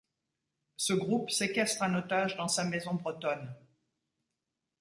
Ce groupe séquestre un otage dans sa maison bretonne.